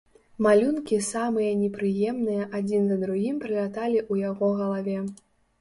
Малюнкі самыя непрыемныя адзін за другім праляталі ў яго галаве.